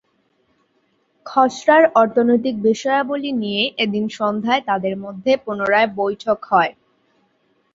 খসড়ার অর্থনৈতিক বিষয়াবলি নিয়ে এদিন সন্ধ্যায় তাদের মধ্যে পুনরায় বৈঠক হয়।